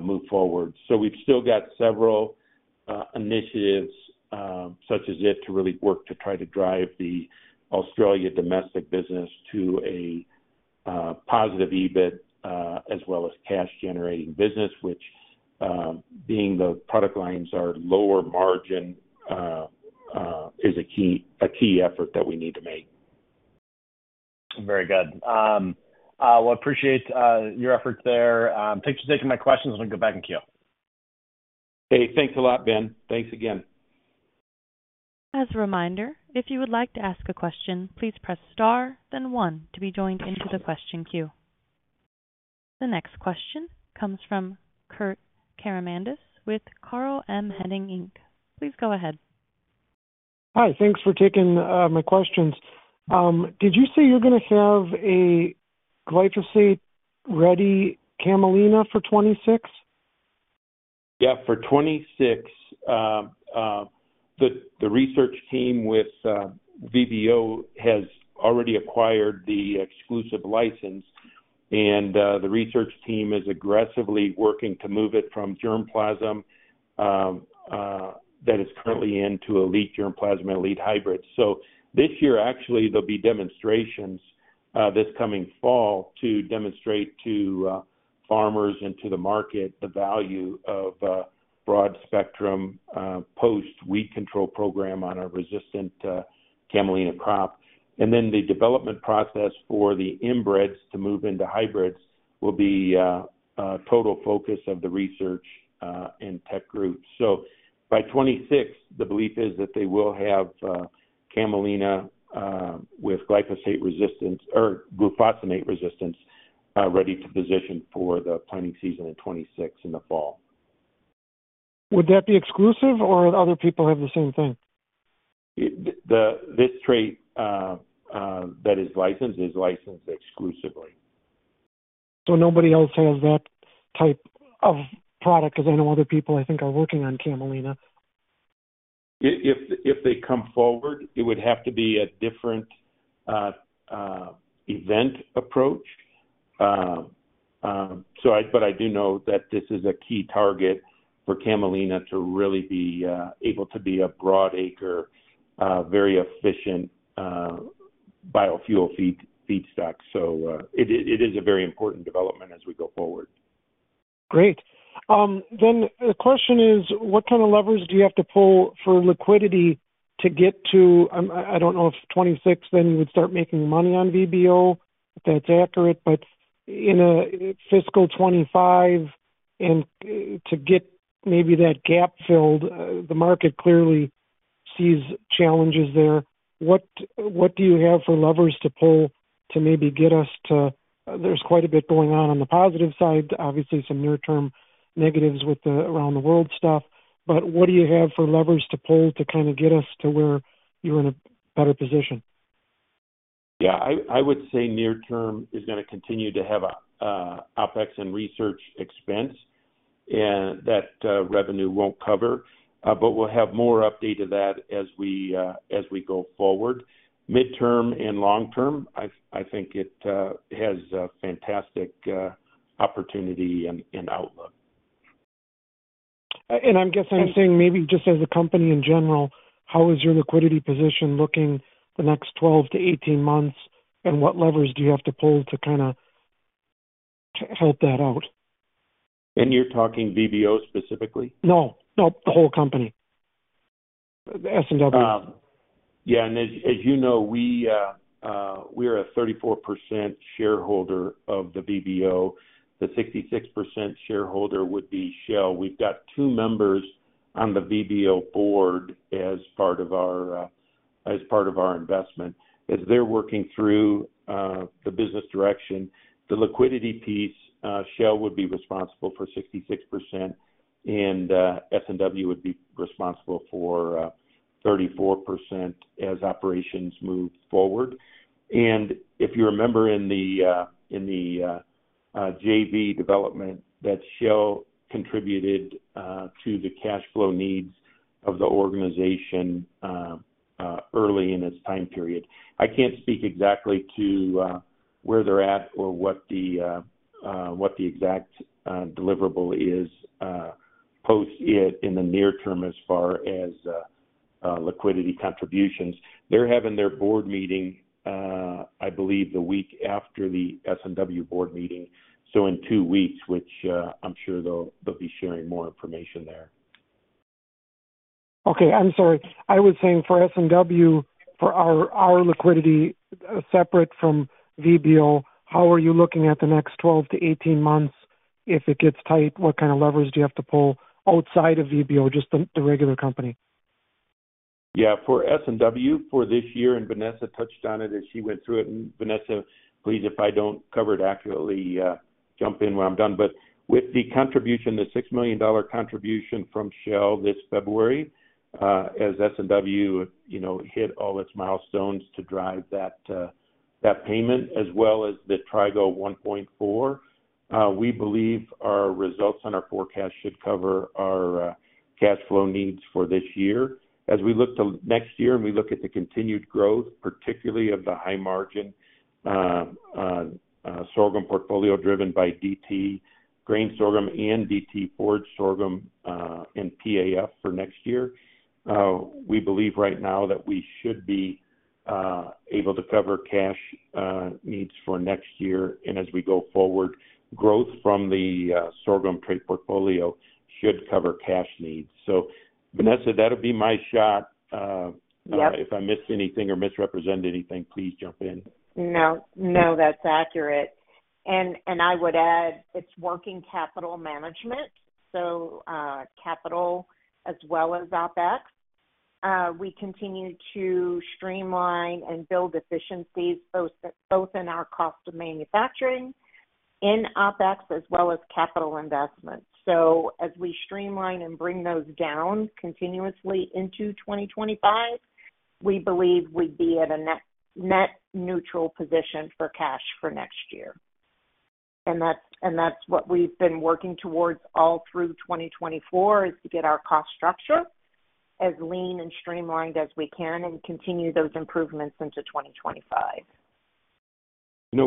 Speaker 3: move forward. So we've still got several initiatives such as it to really work to try to drive the Australia domestic business to a positive EBIT as well as cash-generating business, which being the product lines are lower margin is a key effort that we need to make.
Speaker 5: Very good. Well, appreciate your efforts there. Thanks for taking my questions. I'm going to go back and queue.
Speaker 3: Hey. Thanks a lot, Ben. Thanks again.
Speaker 1: As a reminder, if you would like to ask a question, please press star, then one, to be joined into the question queue. The next question comes from Kurt Caramanidis with Carl M. Hennig, Inc. Please go ahead.
Speaker 6: Hi. Thanks for taking my questions. Did you say you're going to have a glyphosate-ready camelina for 2026?
Speaker 3: Yeah. For 2026, the research team with VBO has already acquired the exclusive license, and the research team is aggressively working to move it from germplasm that is currently in to elite germplasm elite hybrids. So this year, actually, there'll be demonstrations this coming fall to demonstrate to farmers and to the market the value of broad-spectrum post-weed control program on a resistant camelina crop. Then the development process for the inbreds to move into hybrids will be a total focus of the research and tech group. So by 2026, the belief is that they will have camelina with glyphosate resistance or glufosinate resistance ready to position for the planting season in 2026 in the fall.
Speaker 6: Would that be exclusive, or other people have the same thing?
Speaker 3: This trait that is licensed is licensed exclusively.
Speaker 6: So nobody else has that type of product because I know other people, I think, are working on camelina.
Speaker 3: If they come forward, it would have to be a different event approach. But I do know that this is a key target for camelina to really be able to be a broad-acre, very efficient biofuel feedstock. So it is a very important development as we go forward.
Speaker 6: Great. Then the question is, what kind of levers do you have to pull for liquidity to get to—I don't know if 2026, then, you would start making money on VBO, if that's accurate. But in fiscal 2025, to get maybe that gap filled, the market clearly sees challenges there. What do you have for levers to pull to maybe get us to—there's quite a bit going on on the positive side, obviously, some near-term negatives around the world stuff. But what do you have for levers to pull to kind of get us to where you're in a better position?
Speaker 3: Yeah. I would say near-term is going to continue to have Opex and research expense, and that revenue won't cover. But we'll have more update to that as we go forward. Mid-term and long-term, I think it has fantastic opportunity and outlook.
Speaker 6: I'm guessing I'm saying maybe just as a company in general, how is your liquidity position looking the next 12-18 months, and what levers do you have to pull to kind of help that out?
Speaker 3: And you're talking VBO specifically?
Speaker 6: No. No. The whole company. S&W.
Speaker 3: Yeah. And as you know, we are a 34% shareholder of the VBO. The 66% shareholder would be Shell. We've got two members on the VBO board as part of our investment. As they're working through the business direction, the liquidity piece, Shell would be responsible for 66%, and S&W would be responsible for 34% as operations move forward. If you remember in the JV development that Shell contributed to the cash flow needs of the organization early in its time period, I can't speak exactly to where they're at or what the exact deliverable is post it in the near term as far as liquidity contributions. They're having their board meeting, I believe, the week after the S&W board meeting, so in 2 weeks, which I'm sure they'll be sharing more information there.
Speaker 6: Okay. I'm sorry. I was saying for S&W, for our liquidity separate from VBO, how are you looking at the next 12-18 months? If it gets tight, what kind of levers do you have to pull outside of VBO, just the regular company?
Speaker 3: Yeah. For S&W, for this year, and Vanessa touched on it as she went through it. And Vanessa, please, if I don't cover it accurately, jump in when I'm done. But with the contribution, the $6 million contribution from Shell this February as S&W hit all its milestones to drive that payment as well as the Trigall 1.4, we believe our results on our forecast should cover our cash flow needs for this year. As we look to next year and we look at the continued growth, particularly of the high-margin sorghum portfolio driven by DT grain sorghum and DT forage sorghum and PAF for next year, we believe right now that we should be able to cover cash needs for next year. And as we go forward, growth from the sorghum trait portfolio should cover cash needs. So, Vanessa, that'll be my shot. If I miss anything or misrepresent anything, please jump in.
Speaker 4: No. No. That's accurate. I would add it's working capital management, so capital as well as Opex. We continue to streamline and build efficiencies both in our cost of manufacturing in Opex as well as capital investments. So as we streamline and bring those down continuously into 2025, we believe we'd be at a net neutral position for cash for next year. And that's what we've been working towards all through 2024, is to get our cost structure as lean and streamlined as we can and continue those improvements into 2025.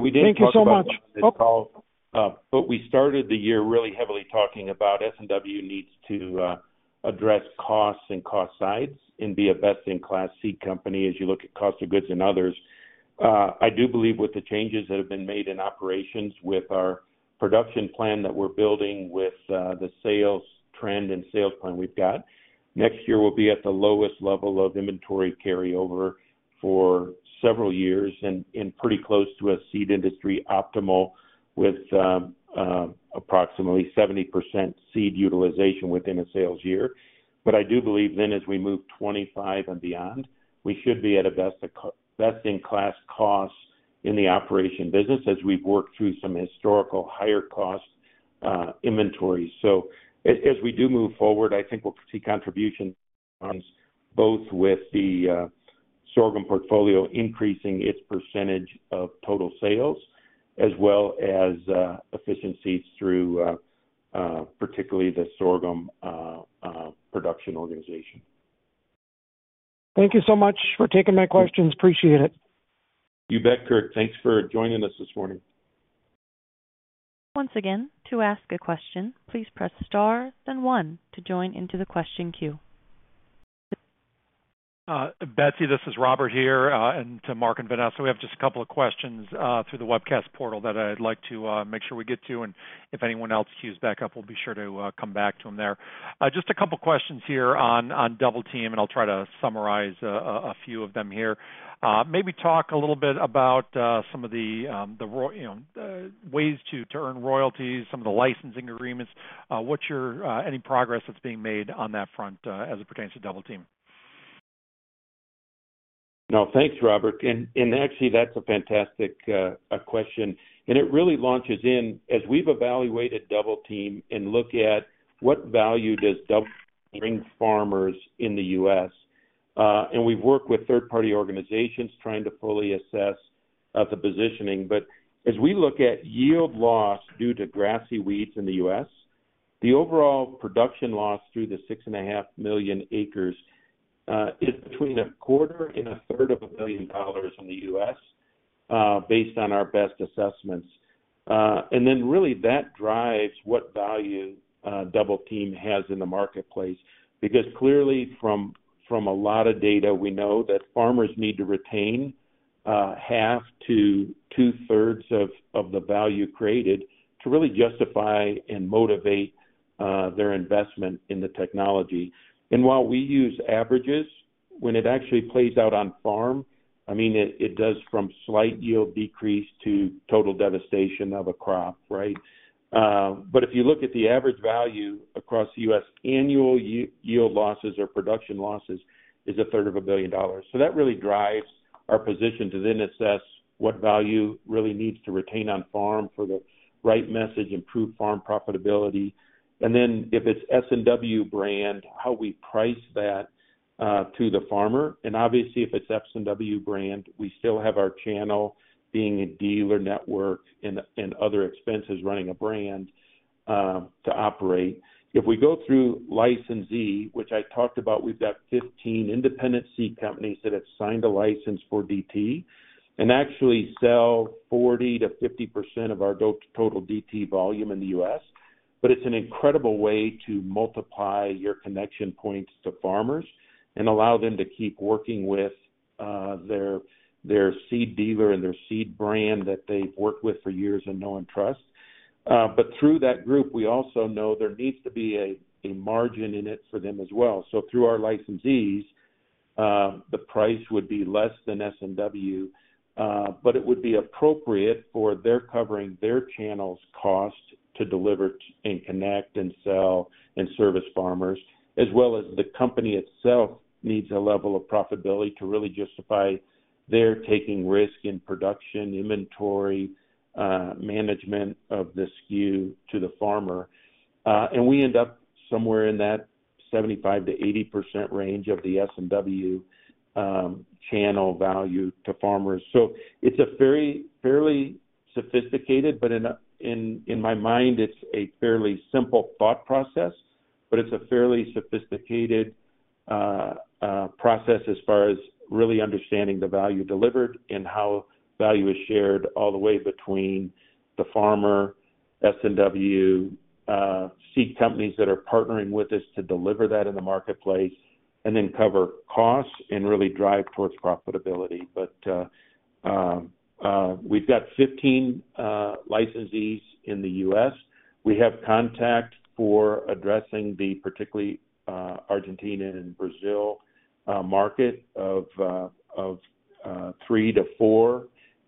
Speaker 3: We didn't talk about this call.
Speaker 6: Thank you so much.
Speaker 3: But we started the year really heavily talking about S&W needs to address costs and cost sides and be a best-in-class seed company as you look at cost of goods and others. I do believe with the changes that have been made in operations with our production plan that we're building with the sales trend and sales plan we've got, next year we'll be at the lowest level of inventory carryover for several years and pretty close to a seed industry optimal with approximately 70% seed utilization within a sales year. But I do believe then, as we move 2025 and beyond, we should be at a best-in-class cost in the operation business as we've worked through some historical higher-cost inventories. So as we do move forward, I think we'll see contributions both with the sorghum portfolio increasing its percentage of total sales as well as efficiencies through particularly the sorghum production organization.
Speaker 6: Thank you so much for taking my questions. Appreciate it.
Speaker 3: You bet, Kurt. Thanks for joining us this morning.
Speaker 1: Once again, to ask a question, please press star, then one, to join into the question queue.
Speaker 2: Betsy, this is Robert here. And to Mark and Vanessa, we have just a couple of questions through the webcast portal that I'd like to make sure we get to. And if anyone else queues back up, we'll be sure to come back to them there. Just a couple of questions here on Double Team, and I'll try to summarize a few of them here. Maybe talk a little bit about some of the ways to earn royalties, some of the licensing agreements, any progress that's being made on that front as it pertains to Double Team.
Speaker 3: No. Thanks, Robert. And actually, that's a fantastic question. And it really launches in as we've evaluated Double Team and look at what value does Double Team bring farmers in the U.S. We've worked with third-party organizations trying to fully assess the positioning. But as we look at yield loss due to grassy weeds in the U.S., the overall production loss through the 6.5 million acres is between $250 million and $333 million in the U.S. based on our best assessments. And then really, that drives what value Double Team has in the marketplace because clearly, from a lot of data, we know that farmers need to retain half to 2/3 of the value created to really justify and motivate their investment in the technology. And while we use averages, when it actually plays out on farm, I mean, it does from slight yield decrease to total devastation of a crop, right? But if you look at the average value across the U.S., annual yield losses or production losses is $333 million. So that really drives our position to then assess what value really needs to retain on farm for the right message, improve farm profitability. And then if it's S&W brand, how we price that to the farmer. And obviously, if it's S&W brand, we still have our channel being a dealer network and other expenses running a brand to operate. If we go through licensee, which I talked about, we've got 15 independent seed companies that have signed a license for DT and actually sell 40%-50% of our total DT volume in the U.S. But it's an incredible way to multiply your connection points to farmers and allow them to keep working with their seed dealer and their seed brand that they've worked with for years and know and trust. But through that group, we also know there needs to be a margin in it for them as well. So through our licensees, the price would be less than S&W, but it would be appropriate for their covering their channel's cost to deliver and connect and sell and service farmers as well as the company itself needs a level of profitability to really justify their taking risk in production, inventory management of the SKU to the farmer. And we end up somewhere in that 75%-80% range of the S&W channel value to farmers. So it's a fairly sophisticated but in my mind, it's a fairly simple thought process. It's a fairly sophisticated process as far as really understanding the value delivered and how value is shared all the way between the farmer, S&W, seed companies that are partnering with us to deliver that in the marketplace, and then cover costs and really drive towards profitability. We've got 15 licensees in the U.S. We have contact for addressing the particularly Argentina and Brazil market of 3-4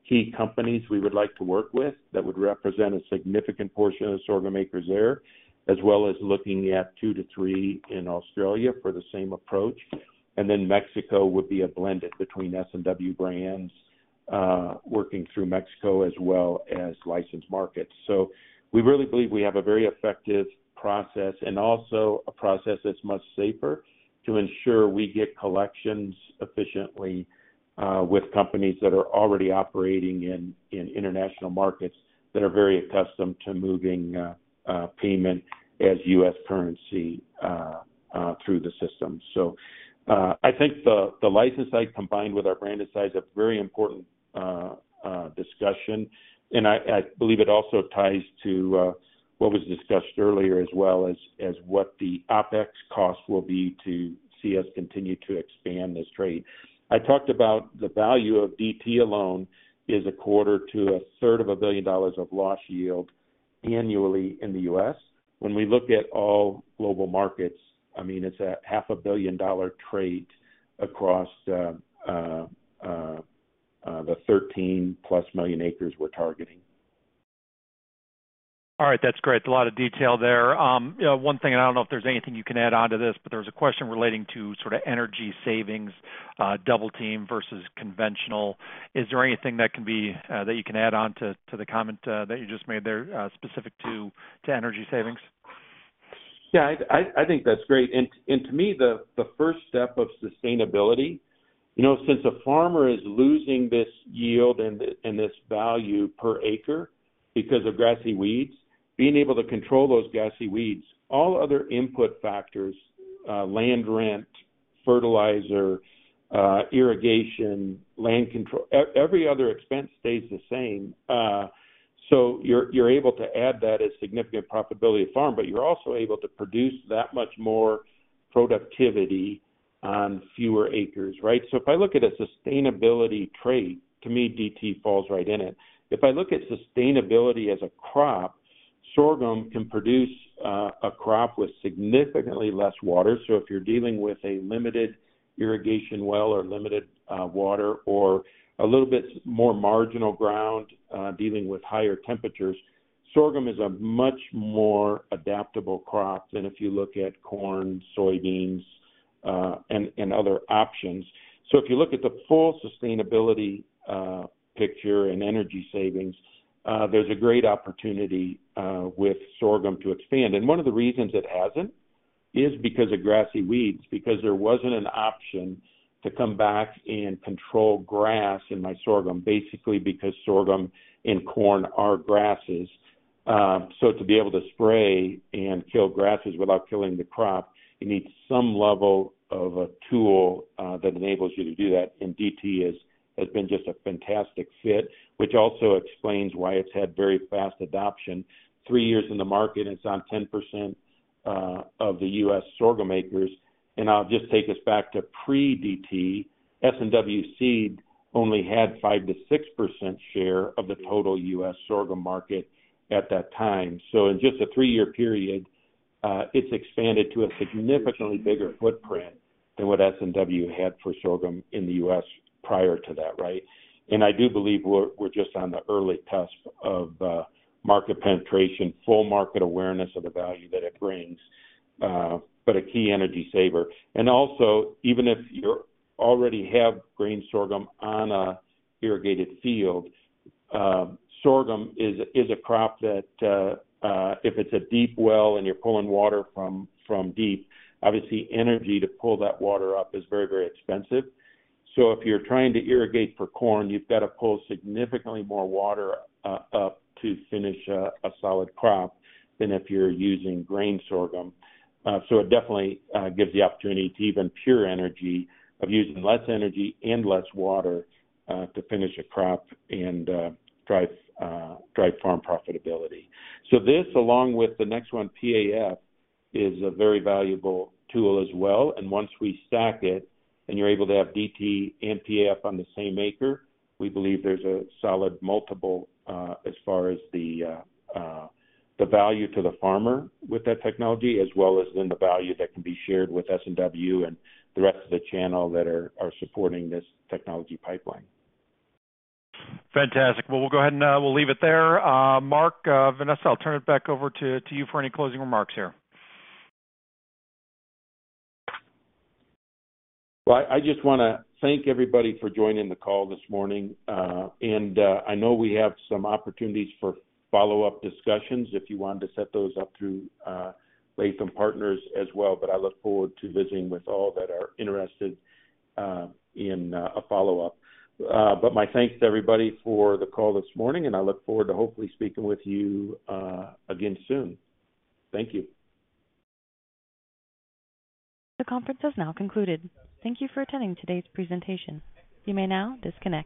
Speaker 3: key companies we would like to work with that would represent a significant portion of the sorghum acres there as well as looking at 2-3 in Australia for the same approach. Then Mexico would be a blended between S&W brands working through Mexico as well as licensed markets. So we really believe we have a very effective process and also a process that's much safer to ensure we get collections efficiently with companies that are already operating in international markets that are very accustomed to moving payment as US currency through the system. So I think the license side combined with our branded side is a very important discussion. And I believe it also ties to what was discussed earlier as well as what the Opex cost will be to see us continue to expand this trait. I talked about the value of DT alone is $250 million-$333 million of lost yield annually in the US. When we look at all global markets, I mean, it's a $500 million trait across the 13+ million acres we're targeting.
Speaker 2: All right. That's great. A lot of detail there. One thing, and I don't know if there's anything you can add on to this, but there was a question relating to sort of energy savings, Double Team versus conventional. Is there anything that can be that you can add on to the comment that you just made there specific to energy savings?
Speaker 3: Yeah. I think that's great. And to me, the first step of sustainability, since a farmer is losing this yield and this value per acre because of grassy weeds, being able to control those grassy weeds, all other input factors, land rent, fertilizer, irrigation, land control, every other expense stays the same. So you're able to add that as significant profitability to farm, but you're also able to produce that much more productivity on fewer acres, right? So if I look at a sustainability trait, to me, DT falls right in it. If I look at sustainability as a crop, sorghum can produce a crop with significantly less water. So if you're dealing with a limited irrigation well or limited water or a little bit more marginal ground dealing with higher temperatures, sorghum is a much more adaptable crop than if you look at corn, soybeans, and other options. So if you look at the full sustainability picture and energy savings, there's a great opportunity with sorghum to expand. And one of the reasons it hasn't is because of grassy weeds, because there wasn't an option to come back and control grass in my sorghum basically because sorghum and corn are grasses. So to be able to spray and kill grasses without killing the crop, you need some level of a tool that enables you to do that. DT has been just a fantastic fit, which also explains why it's had very fast adoption. 3 years in the market, it's on 10% of the U.S. sorghum acres. I'll just take us back to pre-DT. S&W Seed only had 5%-6% share of the total U.S. sorghum market at that time. So in just a 3-year period, it's expanded to a significantly bigger footprint than what S&W had for sorghum in the U.S. prior to that, right? I do believe we're just on the early cusp of market penetration, full market awareness of the value that it brings, but a key energy saver. Even if you already have grain sorghum on an irrigated field, sorghum is a crop that if it's a deep well and you're pulling water from deep, obviously, energy to pull that water up is very, very expensive. So if you're trying to irrigate for corn, you've got to pull significantly more water up to finish a solid crop than if you're using grain sorghum. So it definitely gives the opportunity to even pure energy of using less energy and less water to finish a crop and drive farm profitability. So this, along with the next one, PAF, is a very valuable tool as well. And once we stack it and you're able to have DT and PAF on the same acre, we believe there's a solid multiple as far as the value to the farmer with that technology as well as then the value that can be shared with S&W and the rest of the channel that are supporting this technology pipeline.
Speaker 2: Fantastic. Well, we'll go ahead and we'll leave it there. Mark, Vanessa, I'll turn it back over to you for any closing remarks here.
Speaker 3: Well, I just want to thank everybody for joining the call this morning. And I know we have some opportunities for follow-up discussions if you wanted to set those up through Lytham Partners as well. But I look forward to visiting with all that are interested in a follow-up. But my thanks, everybody, for the call this morning. And I look forward to hopefully speaking with you again soon. Thank you. The conference has now concluded. Thank you for attending today's presentation. You may now disconnect.